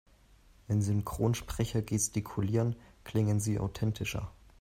Wenn Synchronsprecher gestikulieren, klingen sie authentischer.